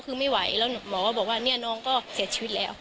คือไม่ไหวแล้วหมอก็บอกว่าเนี่ยน้องก็เสียชีวิตแล้ว